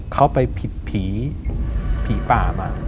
เขาไปผิดผีผีป่ามา